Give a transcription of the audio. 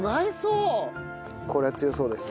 これは強そうです。